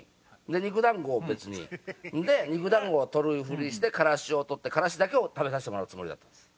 肉団子を別に。で肉団子を取るふりしてからしを取ってからしだけを食べさせてもらうつもりだったんです。